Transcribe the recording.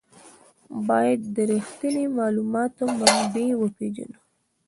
باید د رښتیني معلوماتو منبع وپېژنو.